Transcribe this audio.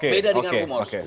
beda dengan rumors